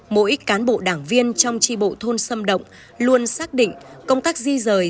mỗi cán bộ đảng viên trong tri bộ thôn sâm động luôn xác định công tác di rời